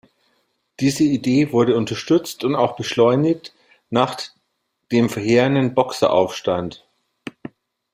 Diese Idee wurde unterstützt und auch beschleunigt nach dem verheerenden Boxeraufstand.